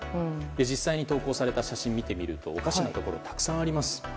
実際に投稿された写真を見てみると、おかしなところがたくさんあります。